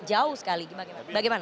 jauh sekali bagaimana